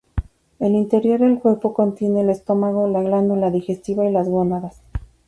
El interior del cuerpo contiene el estómago, la glándula digestiva y las gónadas.